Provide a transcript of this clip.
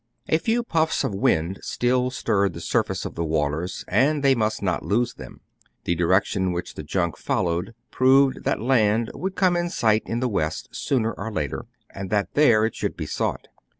A few puffs of wind still stirred the surface of the waters, and they must not lose them. The 230 TRIBULATIONS OF A CHINAMAN. direction which the junk followed proved that land would come in sight in the west sooner or later, and that there it should be sought.